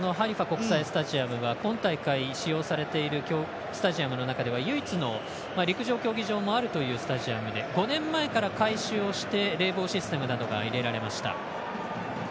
国際スタジアムは今大会、使用されているスタジアムの中では唯一の陸上競技場もあるというスタジアムで５年前から改修をして冷房システムなどが入れられました。